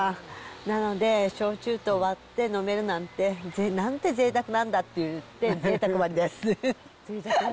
なので、焼酎と割って飲めるなんて、なんてぜいたくなんだって言って、ぜいたく割りです。